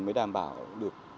mới đảm bảo được